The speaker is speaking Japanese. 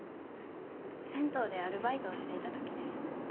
銭湯でアルバイトをしていた時です。